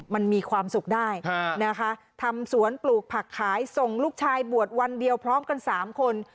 มันมีความสุขได้นะคะทำสวนปลูกผักขายส่งลูกชายบวชวันเดียวพร้อมกัน๓คน